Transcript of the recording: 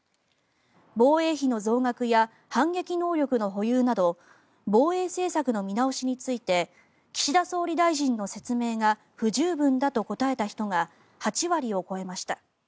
防衛費の増額や反撃能力の保有など防衛政策の見直しについて岸田総理大臣の説明が不十分だと答えた人が８割を超えました。